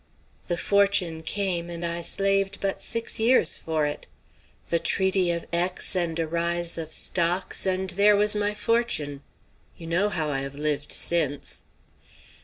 The fortune came, and I slaved but six years for it. The treaty of Aix and a rise of stocks, and there was my fortune. You know how I have lived since."